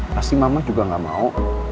pasti mama juga nggak mau